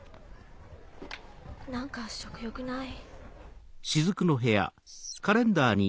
何か食欲ない。